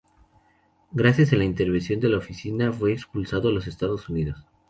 Gracias a la intervención de la oficina, fue expulsado a los Estados Unidos.